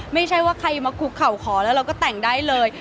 ไม่ใช่ว่าใครมาคุกเข่าขอแล้วเราก็แต่งได้เลย